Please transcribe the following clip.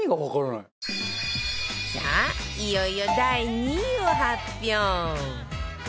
いよいよ第２位を発表